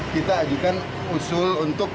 kita ajukan usul untuk